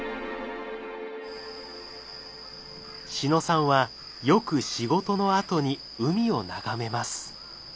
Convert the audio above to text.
志野さんはよく仕事のあとに海を眺めます。